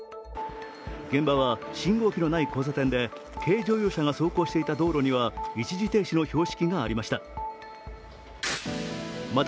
現場は信号機のない交差点で軽乗用車が走行していた道路には一時停止の標識がありました。